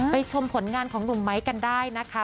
ชมผลงานของหนุ่มไม้กันได้นะคะ